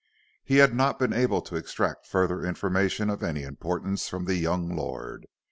He had not been able to extract further information of any importance from the young lord.